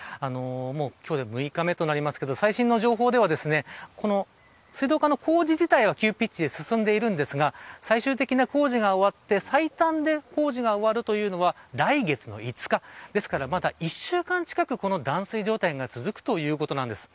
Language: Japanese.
今日で６日目となりますが最新の情報では水道管の工事自体は急ピッチで進んでいますが最終的な工事が終わって最短で工事が終わるというのは来月の５日、まだ１週間近く断水状態が続くということです。